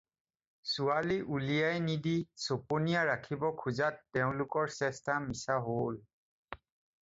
ছোৱালী উলিয়াই নিদি চপনীয়া ৰাখিব খোজাত তেওঁলোকৰ চেষ্টা মিছা হ'ল।